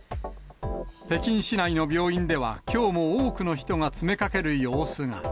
北京市内の病院では、きょうも多くの人が詰めかける様子が。